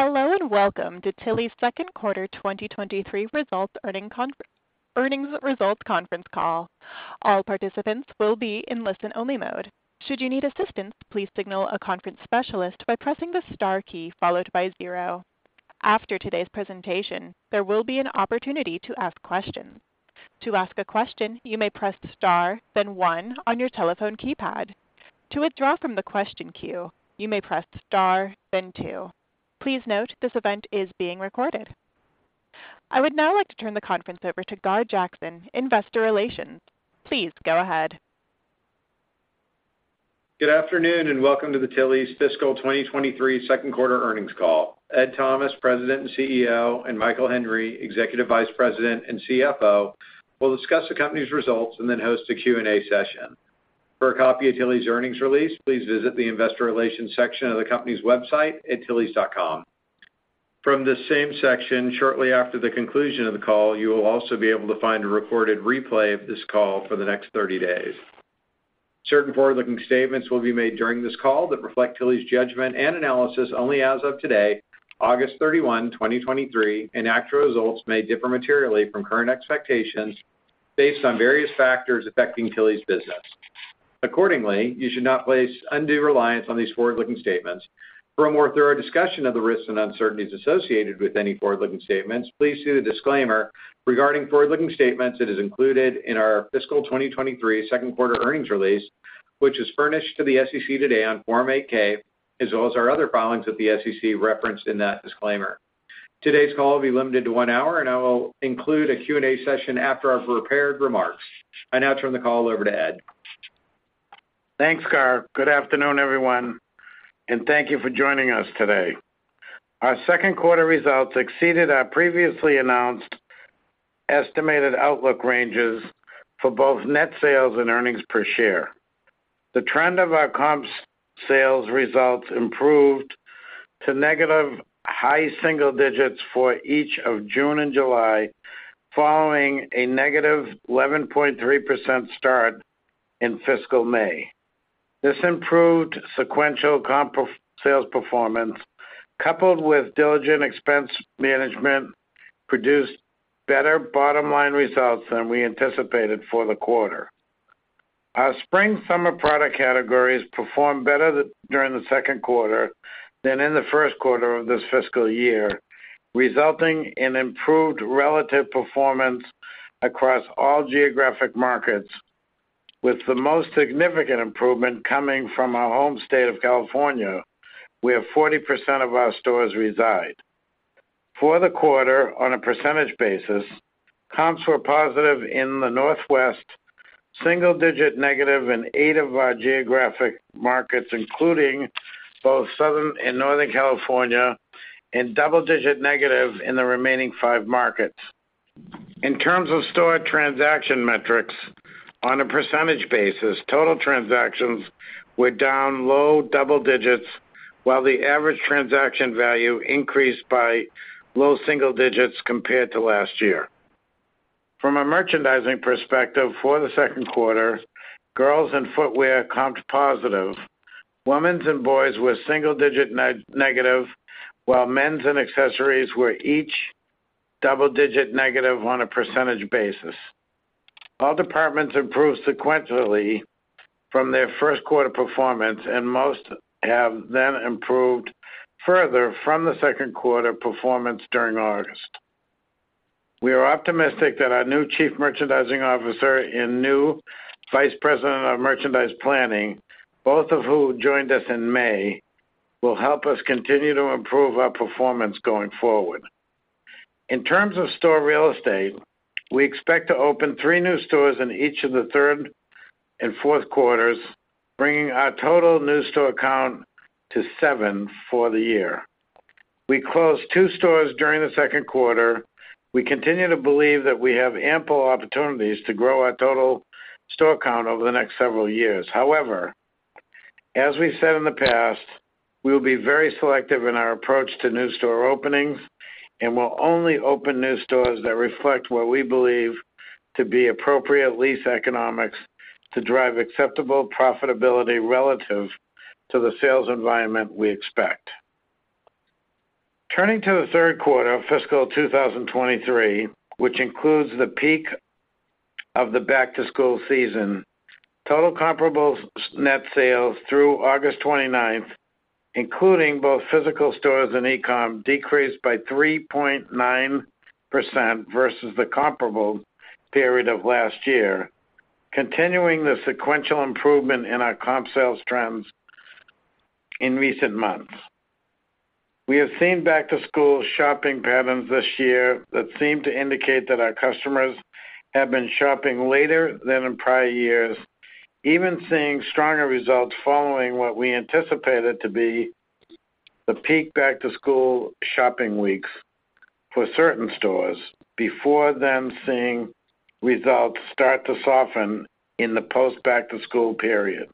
Hello, and welcome to Tilly's Q2 2023 results earnings results conference call. All participants will be in listen-only mode. Should you need assistance, please signal a conference specialist by pressing the Star key followed by zero. After today's presentation, there will be an opportunity to ask questions. To ask a question, you may press Star, then one on your telephone keypad. To withdraw from the question queue, you may press Star, then two. Please note, this event is being recorded. I would now like to turn the conference over to Gar Jackson, Investor Relations. Please go ahead. Good afternoon, and welcome to the Tilly's fiscal 2023 Q2 earnings call. Ed Thomas, President and CEO, and Michael Henry, Executive Vice President and CFO, will discuss the company's results and then host a Q&A session. For a copy of Tilly's earnings release, please visit the Investor Relations section of the company's website at tillys.com. From this same section, shortly after the conclusion of the call, you will also be able to find a recorded replay of this call for the next 30 days. Certain forward-looking statements will be made during this call that reflect Tilly's judgment and analysis only as of today, 31 August 2023, and actual results may differ materially from current expectations based on various factors affecting Tilly's business. Accordingly, you should not place undue reliance on these forward-looking statements. For a more thorough discussion of the risks and uncertainties associated with any forward-looking statements, please see the disclaimer regarding forward-looking statements that is included in our fiscal 2023 Q2 earnings release, which is furnished to the SEC today on Form 8-K, as well as our other filings with the SEC referenced in that disclaimer. Today's call will be limited to one hour, and I will include a Q&A session after our prepared remarks. I now turn the call over to Ed. Thanks, Gar. Good afternoon, everyone, and thank you for joining us today. Our Q2 results exceeded our previously announced estimated outlook ranges for both net sales and earnings per share. The trend of our comp sales results improved to negative high single digits for each of June and July, following a negative 11.3% start in fiscal May. This improved sequential comp sales performance, coupled with diligent expense management, produced better bottom-line results than we anticipated for the quarter. Our spring/summer product categories performed better during the Q2 than in the Q1 of this fiscal year, resulting in improved relative performance across all geographic markets, with the most significant improvement coming from our home state of California, where 40% of our stores reside. For the quarter, on a percentage basis, comps were positive in the Northwest, single-digit negative in eight of our geographic markets, including both Southern and Northern California, and double-digit negative in the remaining five markets. In terms of store transaction metrics, on a percentage basis, total transactions were down low double digits, while the average transaction value increased by low single digits compared to last year. From a merchandising perspective, for the Q2, girls and footwear comped positive. Women's and boys were single-digit negative, while men's and accessories were each double-digit negative on a percentage basis. All departments improved sequentially from their Q1 performance, and most have then improved further from the Q2 performance during August. We are optimistic that our new Chief Merchandising Officer and new Vice President of Merchandise Planning, both of who joined us in May, will help us continue to improve our performance going forward. In terms of store real estate, we expect to open three new stores in each of the third and Q4s, bringing our total new store count to seven for the year. We closed two stores during the Q2. We continue to believe that we have ample opportunities to grow our total store count over the next several years. However, as we've said in the past, we will be very selective in our approach to new store openings and will only open new stores that reflect what we believe to be appropriate lease economics to drive acceptable profitability relative to the sales environment we expect. Turning to the Q3 of fiscal 2023, which includes the peak of the back-to-school season, total comparable net sales through August 29th, including both physical stores and e-com, decreased by 3.9% versus the comparable period of last year, continuing the sequential improvement in our comp sales trends in recent months. We have seen back-to-school shopping patterns this year that seem to indicate that our customers have been shopping later than in prior years, even seeing stronger results following what we anticipated to be the peak back-to-school shopping weeks for certain stores before then seeing results start to soften in the post back-to-school period.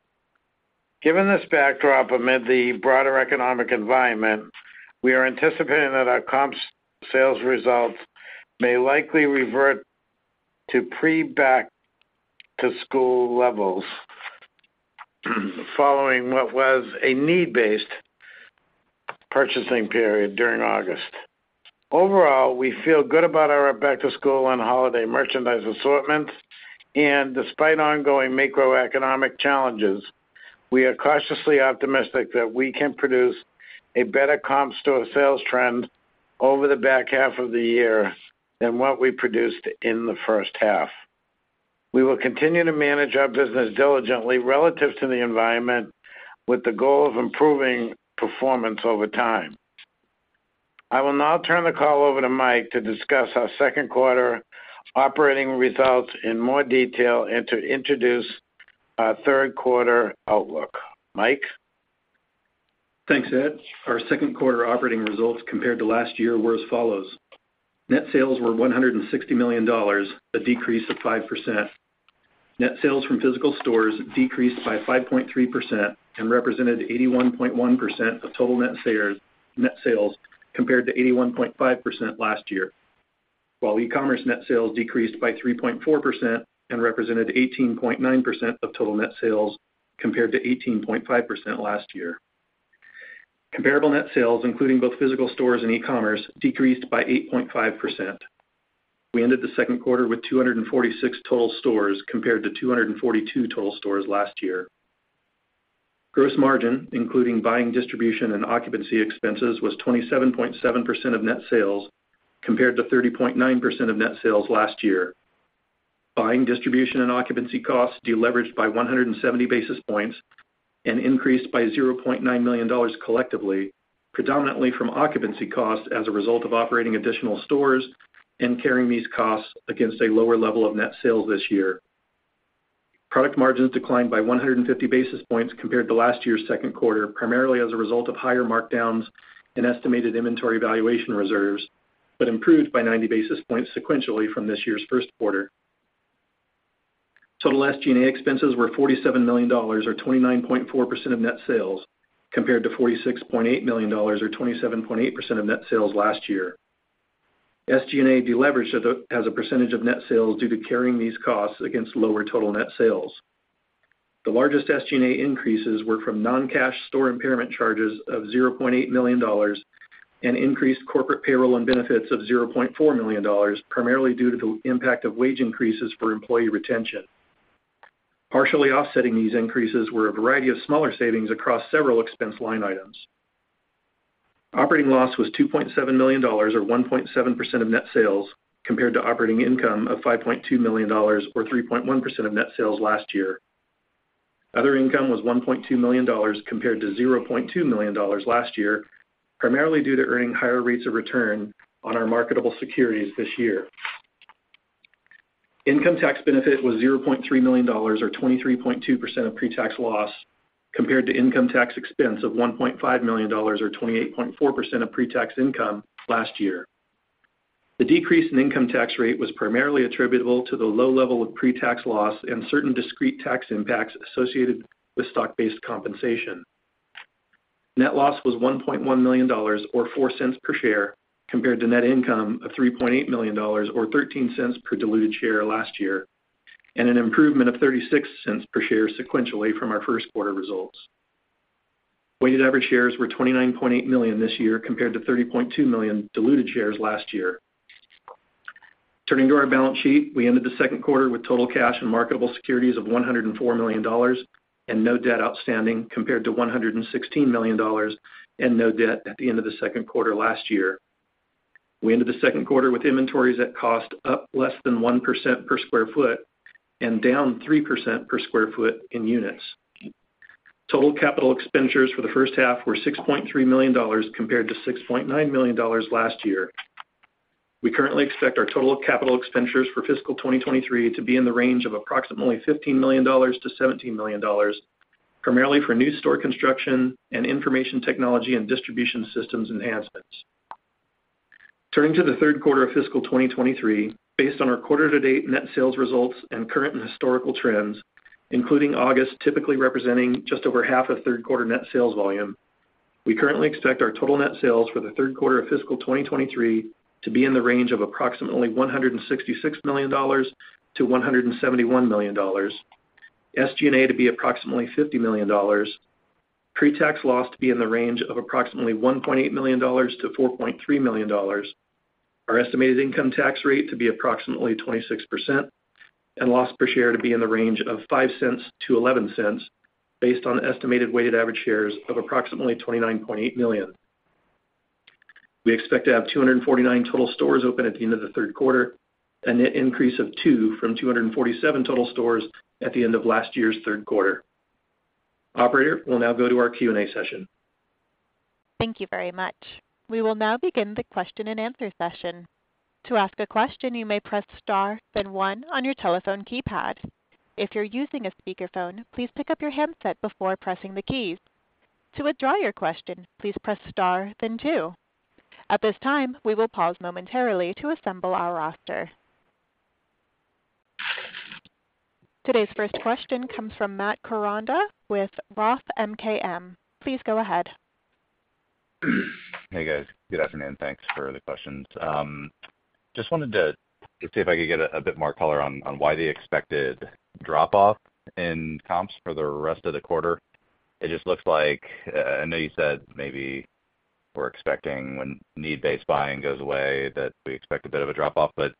Given this backdrop, amid the broader economic environment, we are anticipating that our comp sales results may likely revert to pre-back-to-school levels, following what was a need-based purchasing period during August. Overall, we feel good about our back-to-school and holiday merchandise assortments, and despite ongoing macroeconomic challenges, we are cautiously optimistic that we can produce a better comp store sales trend over the back half of the year than what we produced in the H1. We will continue to manage our business diligently relative to the environment, with the goal of improving performance over time. I will now turn the call over to Mike to discuss our Q2 operating results in more detail and to introduce our Q3 outlook. Mike? Thanks, Ed. Our Q2 operating results compared to last year were as follows: Net sales were $160 million, a decrease of 5%. Net sales from physical stores decreased by 5.3% and represented 81.1% of total net sales, net sales, compared to 81.5% last year, while e-commerce net sales decreased by 3.4% and represented 18.9% of total net sales, compared to 18.5% last year. Comparable net sales, including both physical stores and e-commerce, decreased by 8.5%. We ended the Q2 with 246 total stores, compared to 242 total stores last year. Gross margin, including buying, distribution, and occupancy expenses, was 27.7% of net sales, compared to 30.9% of net sales last year. Buying, distribution, and occupancy costs deleveraged by 170 basis points and increased by $0.9 million collectively, predominantly from occupancy costs as a result of operating additional stores and carrying these costs against a lower level of net sales this year. Product margins declined by 150 basis points compared to last year's Q2, primarily as a result of higher markdowns and estimated inventory valuation reserves, but improved by 90 basis points sequentially from this year's Q1. Total SG&A expenses were $47 million, or 29.4% of net sales, compared to $46.8 million or 27.8% of net sales last year. SG&A deleveraged as a percentage of net sales due to carrying these costs against lower total net sales. The largest SG&A increases were from non-cash store impairment charges of $0.8 million and increased corporate payroll and benefits of $0.4 million, primarily due to the impact of wage increases for employee retention. Partially offsetting these increases were a variety of smaller savings across several expense line items. Operating loss was $2.7 million, or 1.7% of net sales, compared to operating income of $5.2 million or 3.1% of net sales last year. Other income was $1.2 million, compared to $0.2 million last year, primarily due to earning higher rates of return on our marketable securities this year. Income tax benefit was $0.3 million, or 23.2% of pre-tax loss, compared to income tax expense of $1.5 million or 28.4% of pre-tax income last year. The decrease in income tax rate was primarily attributable to the low level of pre-tax loss and certain discrete tax impacts associated with stock-based compensation. Net loss was $1.1 million, or $0.04 per share, compared to net income of $3.8 million or $0.13 per diluted share last year, and an improvement of $0.36 per share sequentially from our Q1 results. Weighted average shares were $29.8 million this year, compared to $30.2 million diluted shares last year. Turning to our balance sheet, we ended the Q2 with total cash and marketable securities of $104 million and no debt outstanding, compared to $116 million and no debt at the end of the Q2 last year. We ended the Q2 with inventories at cost up less than 1% per sq ft and down 3% per sq ft in units. Total capital expenditures for the H1 were $6.3 million, compared to $6.9 million last year. We currently expect our total capital expenditures for fiscal 2023 to be in the range of approximately $15 million-$17 million, primarily for new store construction and information technology and distribution systems enhancements. Turning to the Q3 of fiscal 2023, based on our quarter to date net sales results and current and historical trends, including August typically representing just over half of Q3 net sales volume, we currently expect our total net sales for the Q3 of fiscal 2023 to be in the range of approximately $166 million-$171 million, SG&A to be approximately $50 million, pre-tax loss to be in the range of approximately $1.8 million-$4.3 million. Our estimated income tax rate to be approximately 26%, and loss per share to be in the range of $0.05-$0.11, based on estimated weighted average shares of approximately 29.8 million. We expect to have 249 total stores open at the end of the Q3, a net increase of 2 from 247 total stores at the end of last year's Q3. Operator, we'll now go to our Q&A session. Thank you very much. We will now begin the question-and-answer session. To ask a question, you may press Star, then one on your telephone keypad. If you're using a speakerphone, please pick up your handset before pressing the keys. To withdraw your question, please press Star, then two. At this time, we will pause momentarily to assemble our roster. Today's first question comes from Matt Koranda with Roth MKM. Please go ahead. Hey, guys. Good afternoon. Thanks for the questions. Just wanted to see if I could get a bit more color on why the expected drop-off in comps for the rest of the quarter. It just looks like, I know you said maybe we're expecting when need-based buying goes away, that we expect a bit of a drop-off. But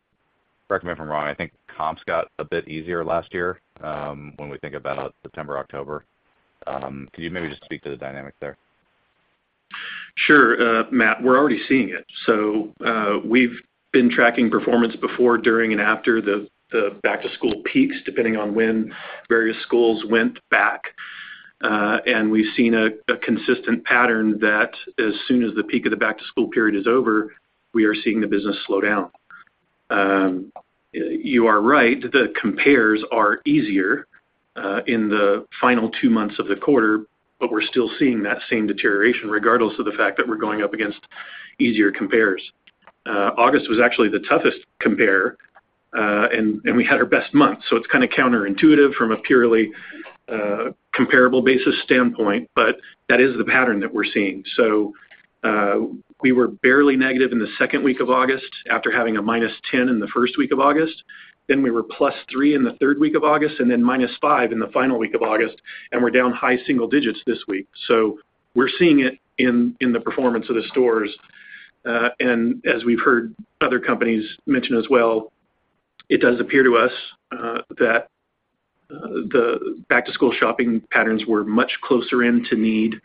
correct me if I'm wrong, I think comps got a bit easier last year, when we think about September, October. Could you maybe just speak to the dynamic there? Sure, Matt, we're already seeing it. So, we've been tracking performance before, during, and after the back-to-school peaks, depending on when various schools went back. And we've seen a consistent pattern that as soon as the peak of the back-to-school period is over, we are seeing the business slow down. You are right, the compares are easier in the final two months of the quarter, but we're still seeing that same deterioration, regardless of the fact that we're going up against easier compares. August was actually the toughest compare, and we had our best month, so it's kinda counterintuitive from a purely comparable basis standpoint, but that is the pattern that we're seeing. So, we were barely negative in the second week of August, after having a minus 10 in the first week of August. Then we were +3 in the third week of August, and then -5 in the final week of August, and we're down high single digits this week. So we're seeing it in the performance of the stores. And as we've heard other companies mention as well, it does appear to us that the back-to-school shopping patterns were much closer in to need,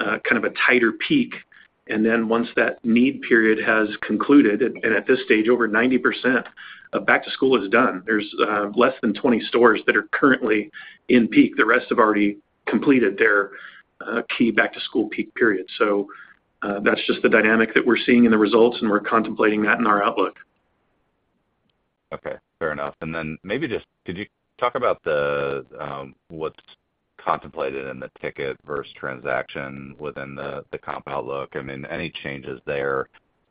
kind of a tighter peak. And then once that need period has concluded, and at this stage, over 90% of back to school is done. There's less than 20 stores that are currently in peak. The rest have already completed their key back-to-school peak period. So that's just the dynamic that we're seeing in the results, and we're contemplating that in our outlook. Okay, fair enough. And then maybe just, could you talk about the, what's contemplated in the ticket versus transaction within the comp outlook? I mean, any changes there,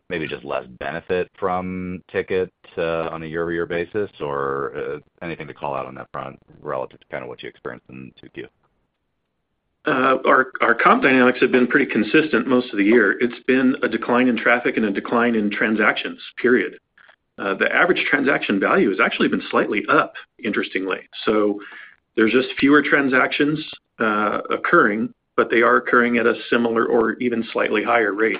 maybe just less benefit from ticket on a year-over-year basis, or anything to call out on that front relative to kinda what you experienced in Q2? Our comp dynamics have been pretty consistent most of the year. It's been a decline in traffic and a decline in transactions, period. The average transaction value has actually been slightly up, interestingly. So there's just fewer transactions occurring, but they are occurring at a similar or even slightly higher rate.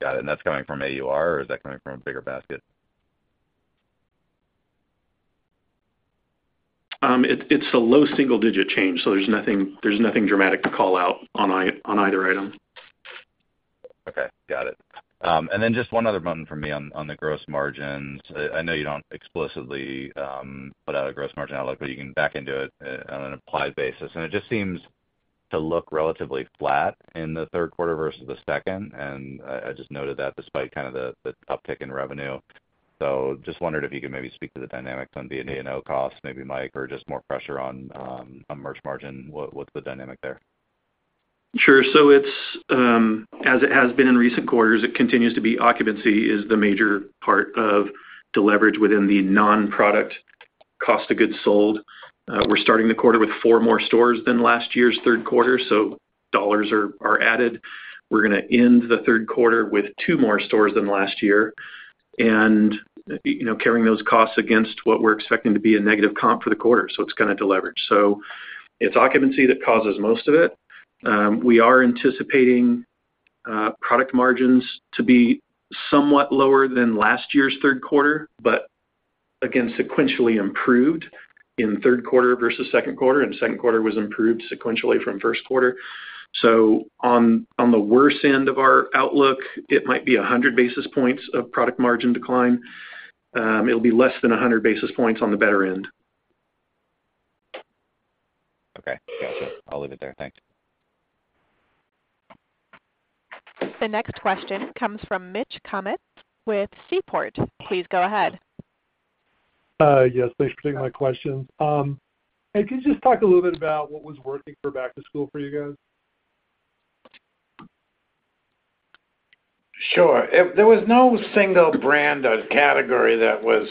Got it. And that's coming from AUR, or is that coming from bigger basket? It's a low single-digit change, so there's nothing dramatic to call out on either item. Okay, got it. And then just one other one for me on the gross margins. I know you don't explicitly put out a gross margin outlook, but you can back into it on an applied basis, and it just seems to look relatively flat in the Q3 versus the second, and I just noted that despite kind of the uptick in revenue. So just wondered if you could maybe speak to the dynamics on the A&O costs, maybe, Mike, or just more pressure on merch margin. What's the dynamic there? Sure. So it's, as it has been in recent quarters, it continues to be occupancy is the major part of deleverage within the non-product cost of goods sold. We're starting the quarter with four more stores than last year's Q3, so dollars are added. We're gonna end the Q3 with two more stores than last year and, you know, carrying those costs against what we're expecting to be a negative comp for the quarter. So it's gonna deleverage. So it's occupancy that causes most of it. We are anticipating, product margins to be somewhat lower than last year's Q3, but again, sequentially improved in Q3 versus Q2, and Q2 was improved sequentially from Q1. So on the worse end of our outlook, it might be 100 basis points of product margin decline. It'll be less than 100 basis points on the better end. Okay. Gotcha. I'll leave it there. Thanks. The next question comes from Mitch Kummetz with Seaport. Please go ahead. Yes, thanks for taking my question. Hey, could you just talk a little bit about what was working for back to school for you guys? Sure. There was no single brand or category that was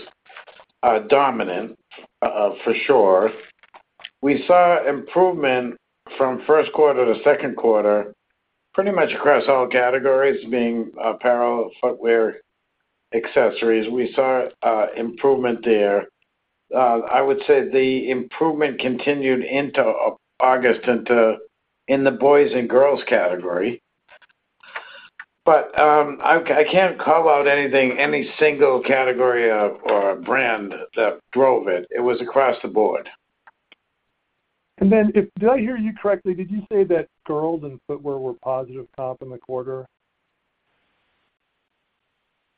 dominant, for sure. We saw improvement from Q1 to Q2, pretty much across all categories, being apparel, footwear, accessories. We saw improvement there. I would say the improvement continued into August in the boys and girls category. But, I can't call out anything, any single category or brand that drove it. It was across the board. Did I hear you correctly, did you say that girls and footwear were positive comp in the quarter?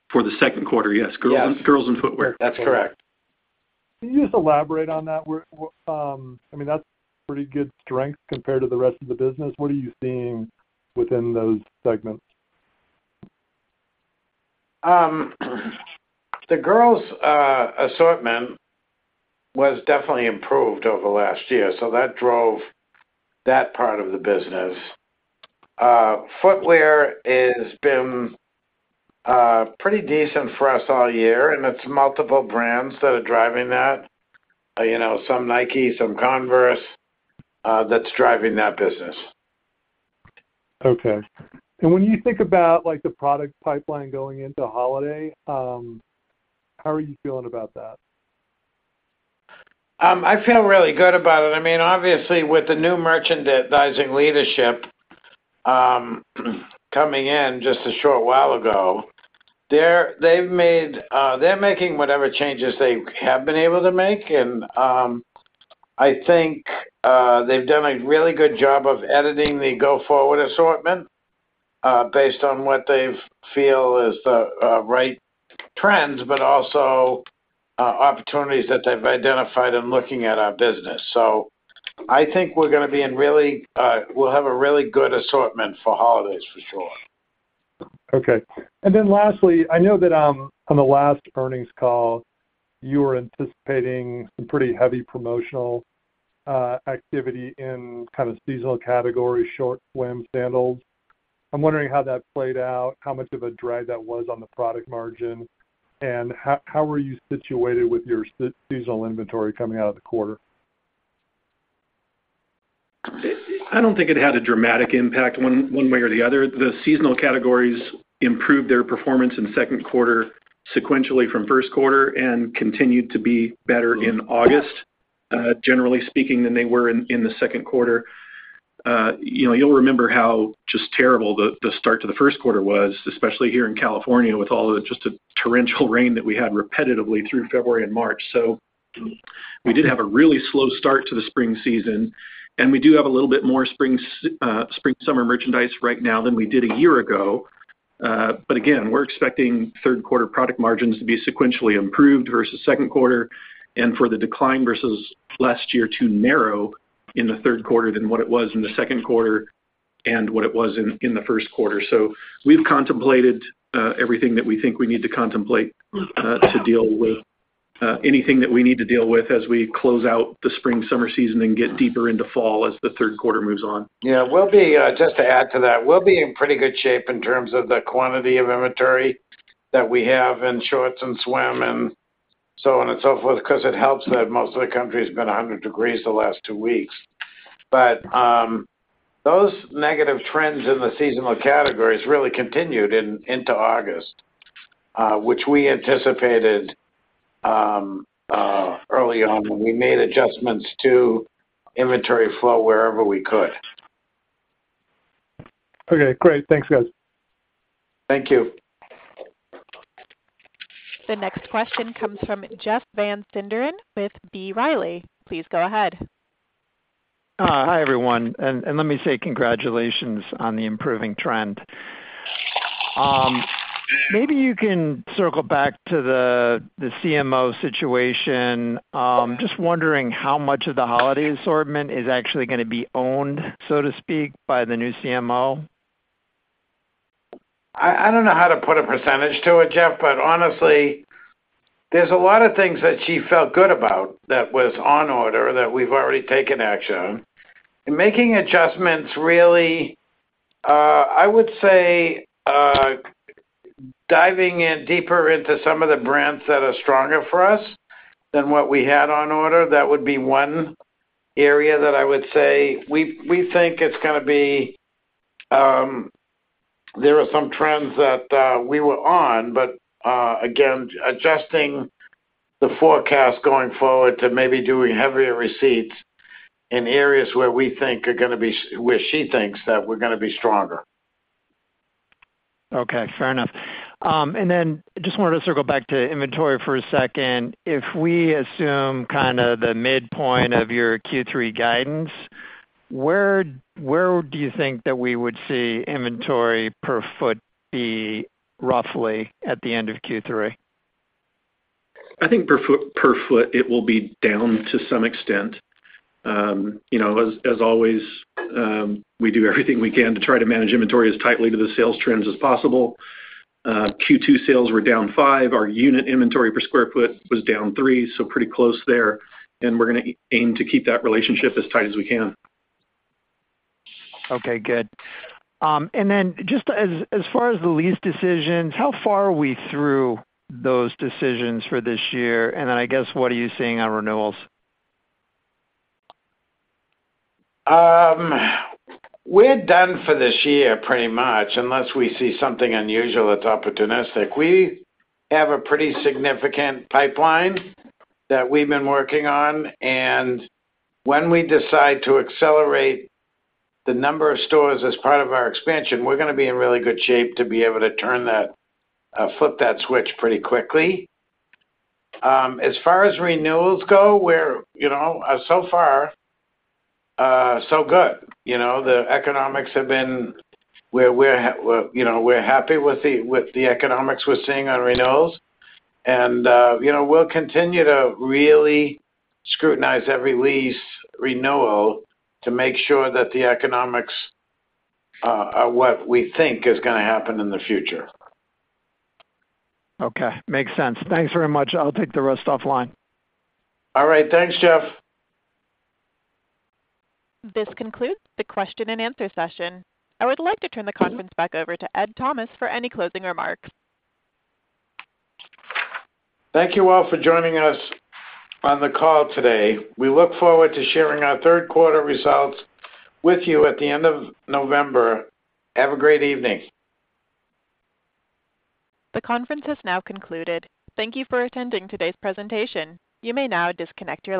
For the Q2, yes. Yes. Girls, girls and footwear. That's correct. Can you just elaborate on that? Where, I mean, that's pretty good strength compared to the rest of the business. What are you seeing within those segments? The girls assortment was definitely improved over last year, so that drove that part of the business. Footwear has been pretty decent for us all year, and it's multiple brands that are driving that. You know, some Nike, some Converse, that's driving that business. Okay. And when you think about, like, the product pipeline going into holiday, how are you feeling about that? I feel really good about it. I mean, obviously, with the new merchandising leadership coming in just a short while ago, they've made, they're making whatever changes they have been able to make. I think they've done a really good job of editing the go-forward assortment based on what they feel is the right trends, but also opportunities that they've identified in looking at our business. So I think we're gonna be in really, we'll have a really good assortment for holidays, for sure. Okay. And then lastly, I know that on the last earnings call, you were anticipating some pretty heavy promotional activity in kind of seasonal categories, shorts, swim, sandals. I'm wondering how that played out, how much of a drag that was on the product margin, and how were you situated with your seasonal inventory coming out of the quarter? I don't think it had a dramatic impact one way or the other. The seasonal categories improved their performance in the Q2 sequentially from Q1 and continued to be better in August, generally speaking, than they were in the Q2. You know, you'll remember how just terrible the start to the Q1 was, especially here in California, with all the just torrential rain that we had repetitively through February and March. So we did have a really slow start to the spring season, and we do have a little bit more spring/summer merchandise right now than we did a year ago. But again, we're expecting Q3 product margins to be sequentially improved versus Q2, and for the decline versus last year to narrow in the Q3 than what it was in the Q2 and what it was in the Q1. So we've contemplated everything that we think we need to contemplate to deal with anything that we need to deal with as we close out the spring/summer season and get deeper into fall as the Q3 moves on. Yeah. We'll be just to add to that, we'll be in pretty good shape in terms of the quantity of inventory that we have in shorts and swim and so on and so forth, 'cause it helps that most of the country has been 100 degrees the last two weeks. But those negative trends in the seasonal categories really continued into August, which we anticipated early on, when we made adjustments to inventory flow wherever we could. Okay, great. Thanks, guys. Thank you. The next question comes from Jeff Van Sinderen with B. Riley. Please go ahead. Hi, everyone. Let me say congratulations on the improving trend. Maybe you can circle back to the CMO situation. Just wondering how much of the holiday assortment is actually gonna be owned, so to speak, by the new CMO? I don't know how to put a percentage to it, Jeff, but honestly, there's a lot of things that she felt good about that was on order that we've already taken action on. And making adjustments, really, I would say, diving in deeper into some of the brands that are stronger for us than what we had on order, that would be one area that I would say we think it's gonna be. There are some trends that we were on, but again, adjusting the forecast going forward to maybe doing heavier receipts in areas where we think are gonna be, where she thinks that we're gonna be stronger. Okay, fair enough. And then just wanted to circle back to inventory for a second. If we assume kinda the midpoint of your Q3 guidance, where do you think that we would see inventory per foot be, roughly, at the end of Q3? I think per sq ft, per sq ft, it will be down to some extent. You know, as always, we do everything we can to try to manage inventory as tightly to the sales trends as possible. Q2 sales were down five. Our unit inventory per sq ft was down three, so pretty close there, and we're gonna aim to keep that relationship as tight as we can. Okay, good. And then just as far as the lease decisions, how far are we through those decisions for this year? And then, I guess, what are you seeing on renewals? We're done for this year, pretty much, unless we see something unusual that's opportunistic. We have a pretty significant pipeline that we've been working on. And when we decide to accelerate the number of stores as part of our expansion, we're gonna be in really good shape to be able to turn that, flip that switch pretty quickly. As far as renewals go, we're, you know, so far, so good. You know, the economics have been where we're, you know, we're happy with the economics we're seeing on renewals. And, you know, we'll continue to really scrutinize every lease renewal to make sure that the economics are what we think is gonna happen in the future. Okay, makes sense. Thanks very much. I'll take the rest offline. All right. Thanks, Jeff. This concludes the question and answer session. I would like to turn the conference back over to Ed Thomas for any closing remarks. Thank you all for joining us on the call today. We look forward to sharing our Q3 results with you at the end of November. Have a great evening. The conference has now concluded. Thank you for attending today's presentation. You may now disconnect your line.